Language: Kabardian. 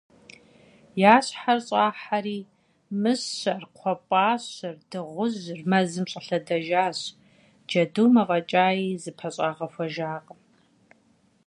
Я щхьэр щӏахьэри, мыщэр, кхъуэпӏащэр, дыгъужьыр мэзым щӏэлъэдэжащ, джэдум афӏэкӏаи зыпэщӏагъэхуэжакъым.